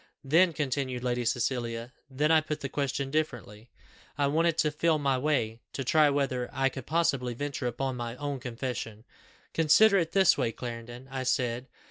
"Then," continued Lady Cecilia, "then I put the question differently. I wanted to feel my way, to try whether I could possibly venture upon my own confession. 'Consider it this way, Clarendon,' I said.